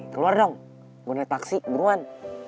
keluar dong gue naik paksi buruan